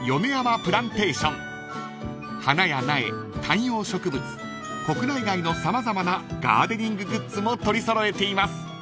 ［花や苗観葉植物国内外の様々なガーデニンググッズも取り揃えています］